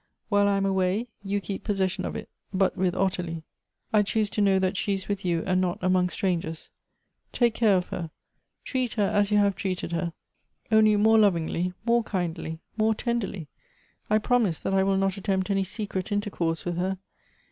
While 1 am awaj', you keep possession of it — but with Oltilie. I choose to know that she is with you, and not among strangers. Take (;are of her; treat her as you have treated her — only Elective Affinities. 133 more lovingly, more kindly, more tenderly ! I promise that I will not attempt any secret intercourse with her.